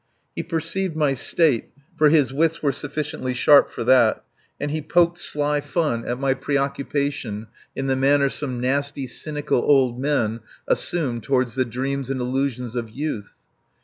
He perceived my state, for his wits were sufficiently sharp for that, and he poked sly fun at my preoccupation in the manner some nasty, cynical old men assume toward the dreams and illusions of youth.